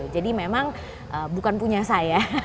jadi memang bukan punya saya